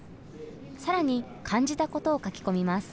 更に感じたことを書き込みます。